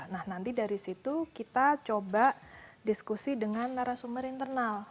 nah nanti dari situ kita coba diskusi dengan narasumber internal